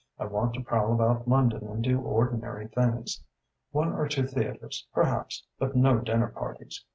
I want to prowl about London and do ordinary things. One or two theatres, perhaps, but no dinner parties.